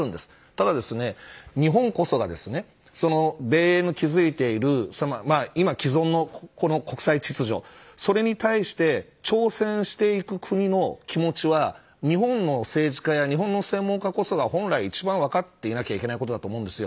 ただですね、日本こそがですね米英の築いている既存の国際秩序、それに対して挑戦していく国の気持ちは日本の政治家や専門家こそが本来一番分かっていなきゃいけないことだと思います。